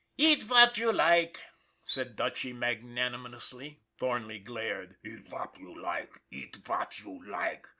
" Eat vat you like," said Dutchy magnanimously. Thornley glared. " Eat vat you like ! Eat vat you like